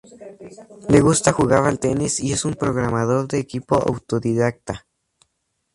Le gusta jugar al tenis y es un programador de equipo autodidacta.